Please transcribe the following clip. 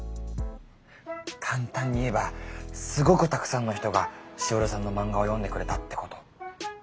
簡単に言えばすごくたくさんの人がしおりさんの漫画を読んでくれたってこと。